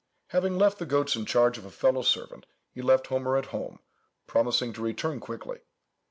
Having left the goats in charge of a fellow servant, he left Homer at home, promising to return quickly.